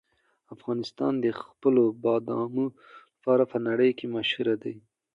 افغانستان د خپلو بادامو لپاره په نړۍ کې مشهور دی.